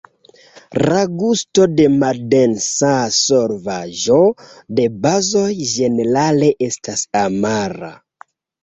La gusto de maldensa solvaĵo de bazoj ĝenerale estas amara.